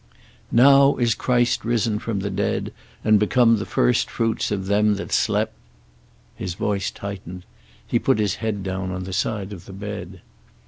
"Now is Christ risen from the dead, and become the first fruits of them that slept " His voice tightened. He put his head down on the side of the bed.